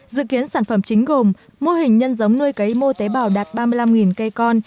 dự kiến sản phẩm chính gồm mô hình nhân giống nuôi cấy mô tế bào đạt ba mươi năm cây con